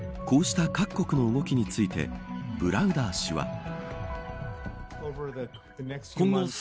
こうした各国の動きについてブラウダー氏は。